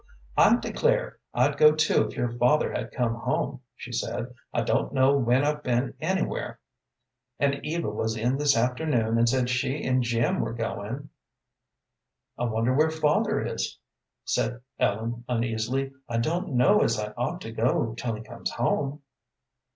"I declare, I'd go too if your father had come home," she said. "I don't know when I've been anywhere; and Eva was in this afternoon and said that she and Jim were going." "I wonder where father is?" said Ellen, uneasily. "I don't know as I ought to go till he comes home."